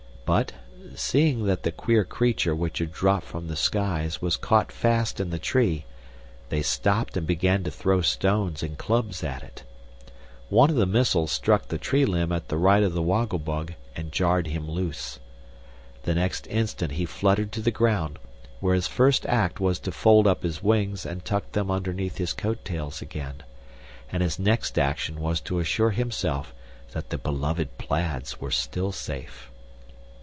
But, seeing that the queer creature which had dropped from the skies was caught fast in the tree, they stopped and began to throw stones and clubs at it. One of the missiles struck the tree limb at the right of the Woggle Bug and jarred him loose. The next instant he fluttered to the ground, where his first act was to fold up his wings and tuck them underneath his coat tails again, and his next action was to assure himself that the beloved plaids were still safe.